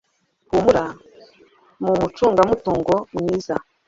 Humura mumucungamutungo mwiza